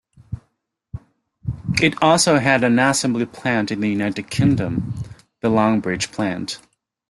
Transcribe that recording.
It also had an assembly plant in the United Kingdom, the Longbridge plant.